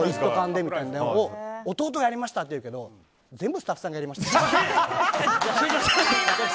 弟がやりましたって言うけど全部スタッフさんがやりました。